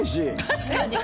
確かに！